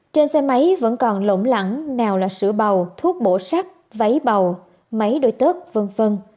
trên xe máy vẫn còn lỗng lẳng nào là sữa bào thuốc bổ sắc váy bầu máy đôi tớt v v